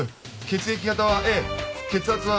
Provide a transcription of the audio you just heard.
血液型はＡ。